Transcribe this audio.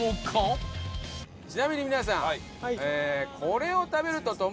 ちなみに皆さん。